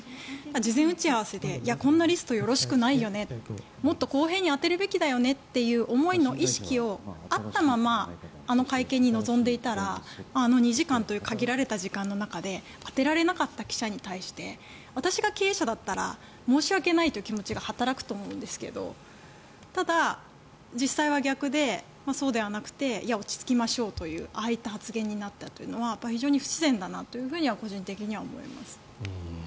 事前打ち合わせでこんなリストよろしくないよねもっと公平に当てるべきだよねという思いの意識があったままあの会見に臨んでいたらあの２時間という限られた時間の中で当てられなかった記者に対して私が経営者だったら申し訳ないという気持ちが働くと思うんですけどただ、実際は逆でそうではなくていや、落ち着きましょうという発言になったのは非常に不自然だなとは個人的には思います。